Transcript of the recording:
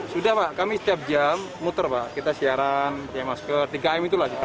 sudah pak kami setiap jam muter pak kita siaran pakai masker tiga m itu lah